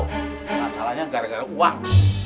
kalahnya gara gara uang